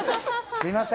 すみません。